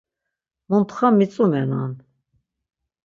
“Muntxa mitzumenan!”